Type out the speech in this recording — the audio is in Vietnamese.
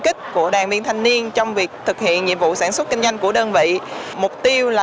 kích của đoàn viên thanh niên trong việc thực hiện nhiệm vụ sản xuất kinh doanh của đơn vị mục tiêu là